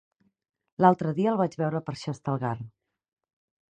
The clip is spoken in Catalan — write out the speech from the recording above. L'altre dia el vaig veure per Xestalgar.